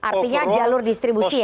artinya jalur distribusi ya